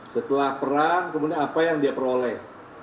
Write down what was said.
setelah perang kemudian apa yang dia peroleh